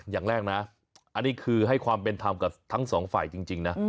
อย่างแรกนะอันนี้คือให้ความเป็นธรรมกับทั้งสองฝ่ายจริงนะ